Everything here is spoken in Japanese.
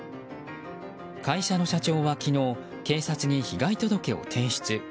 会社の社長は昨日警察に被害届を提出。